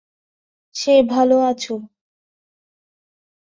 সে ভালো আছো।